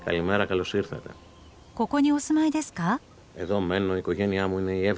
ここにお住まいですか？